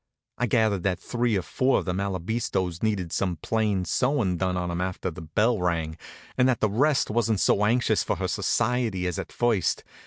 I gathered that three or four of the Malabistos needed some plain sewin' done on 'em after the bell rang, and that the rest wasn't so anxious for her society as at first.